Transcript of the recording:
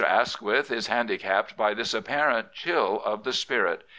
Asquith is handicapped by this apparent chill of the spirit.